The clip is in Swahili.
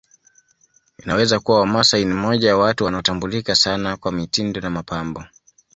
Inaweza kuwa Wamasai ni moja ya watu wanaotambulika sana kwa mitindo na mapambo